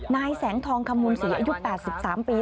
นายแสงทองคำมูลศรีอายุ๘๓ปี